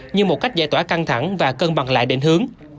như một cách giải tỏa căng thẳng và cân bằng lại định hướng